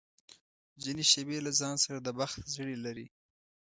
ځینې شېبې له ځان سره د بخت زړي لري.